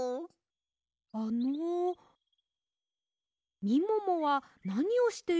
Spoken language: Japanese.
あのみももはなにをしているんですか？